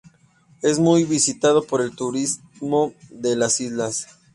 Es muy visitado por el turismo de las islas.